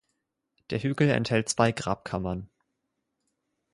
Der Hügel enthält zwei Grabkammern.